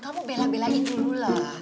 kamu bela belain dulu lah